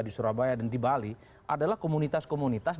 di surabaya dan di bali adalah komunitas komunitas